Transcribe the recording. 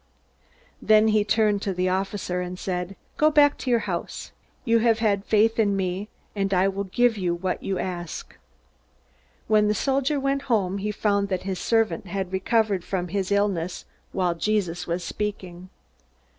Then he turned to the officer and said: "Go back to your house. You have had faith in me, and I will give you what you ask." When the officer went home, he found that his servant had recovered from his illness while Jesus was speaking.